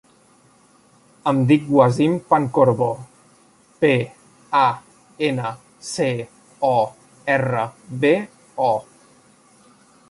Em dic Wasim Pancorbo: pe, a, ena, ce, o, erra, be, o.